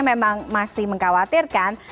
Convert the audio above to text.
itu memang masih mengkhawatirkan